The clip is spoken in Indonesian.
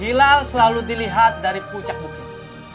hilal selalu dilihat dari puncak bukit